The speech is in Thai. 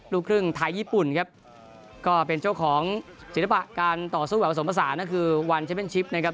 ลูกครึ่งไทยญี่ปุ่นครับก็เป็นเจ้าของศิลปะการต่อสู้แบบผสมภาษานั่นคือวันเชมเป็นชิปนะครับ